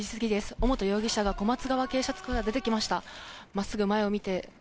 尾本容疑者が小松川警察署から出てきました。